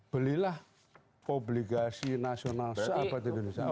belilah obligasi nasional sahabat indonesia